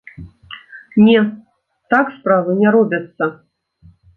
Не, так справы не робяцца!